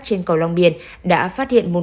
trên cầu long biên đã phát hiện một